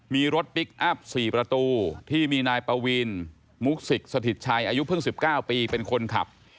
มีรถพลิกอัพ๔ประตูที่มีนายปวีนมุกสิกสถิตชัยอายุเพิ่ง๑๙ปีเป็นคนขับ